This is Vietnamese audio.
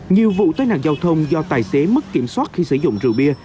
nhiều vụ tai nạn giao thông do tài xế mất kiểm soát khi sử dụng rượu bia